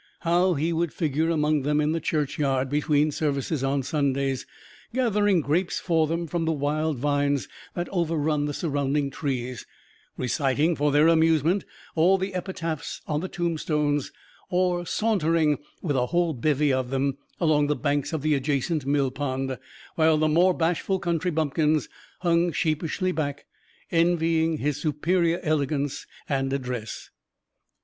How he would figure among them in the churchyard, between, services on Sundays! gathering grapes for them from the wild vines that overrun the surrounding trees; reciting for their amusement all the epitaphs on the tombstones, or sauntering, with a whole bevy of them, along the banks of the adjacent mill pond; while the more bashful country bumpkins hung sheepishly back, envying his superior elegance and address.